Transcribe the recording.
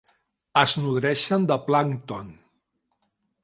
Es nodreixen de plàncton.